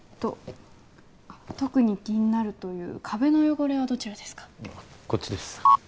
特に気になるという壁の汚れはどちらですか？